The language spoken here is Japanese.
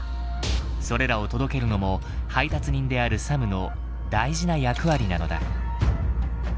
それらを届けるのも配達人であるサムの大事な役割なのだ。